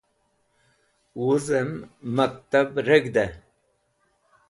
Wuzem Maktab reg̃hde